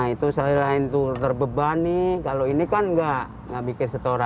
itu selain itu terbebani kalau ini kan nggak mikir setoran